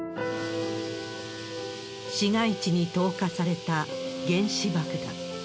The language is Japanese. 市街地に投下された原子爆弾。